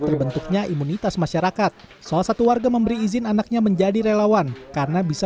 terbentuknya imunitas masyarakat salah satu warga memberi izin anaknya menjadi relawan karena bisa